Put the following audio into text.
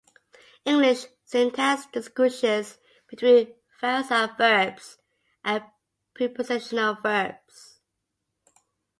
English syntax distinguishes between phrasal verbs and prepositional verbs.